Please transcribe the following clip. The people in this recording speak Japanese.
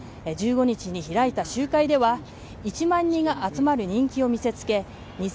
１５日に開いた集会では１万人が集まる人気を見せつけ